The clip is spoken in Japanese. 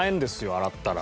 洗ったら。